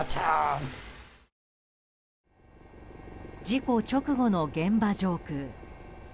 事故直後の現場上空。